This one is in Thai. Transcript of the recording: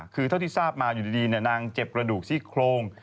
คือเท่าที่ทราบมาอยู่ดีนางเจ็บกระดูกซี่โครง